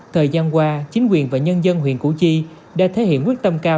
thời gian qua chính quyền và nhân dân huyện củ chi đã thể hiện quyết tâm cao